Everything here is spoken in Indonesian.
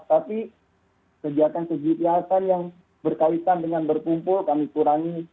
tapi kegiatan kegiatan yang berkaitan dengan berkumpul kami kurangi